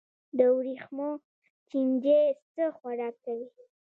د وریښمو چینجی څه خوراک کوي؟